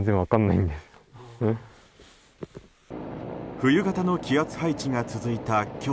冬型の気圧配置が続いた今日。